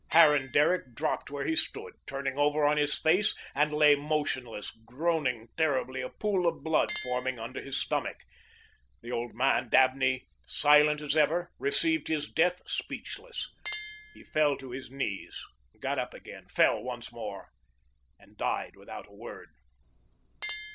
Harran Derrick dropped where he stood, turning over on his face, and lay motionless, groaning terribly, a pool of blood forming under his stomach. The old man Dabney, silent as ever, received his death, speechless. He fell to his knees, got up again, fell once more, and died without a word.